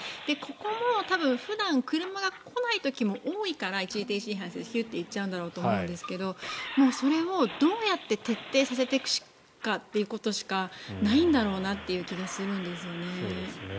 ここも普段車が来ない時も多いから一時停止違反でヒューッて行っちゃうと思うんですがそれをどうやって徹底していくかということしかない気がするんですよね。